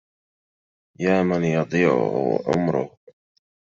يا من يضيع عمره